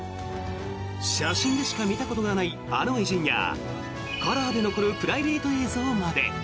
写真でしか見たことがないあの偉人やカラーで残るプライベート映像まで。